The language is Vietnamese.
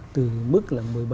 từ mức một mươi bảy hai